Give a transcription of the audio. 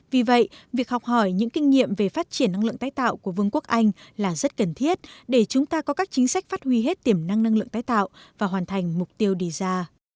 vì vậy việc học hỏi những kinh nghiệm về phát triển năng lượng tái tạo của vương quốc anh là rất cần thiết để chúng ta có các chính sách phát huy hết tiềm năng năng lượng tái tạo và hoàn thành mục tiêu đề ra